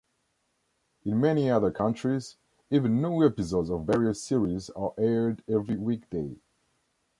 In many other countries, even new episodes of various series are aired every weekday.